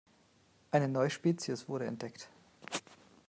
Eine neue Spezies wurde entdeckt.